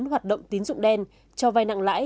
hoạt động tín dụng đen cho vai nặng lãi